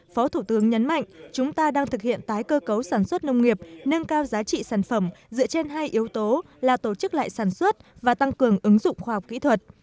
phó thủ tướng nhấn mạnh chúng ta đang thực hiện tái cơ cấu sản xuất nông nghiệp nâng cao giá trị sản phẩm dựa trên hai yếu tố là tổ chức lại sản xuất và tăng cường ứng dụng khoa học kỹ thuật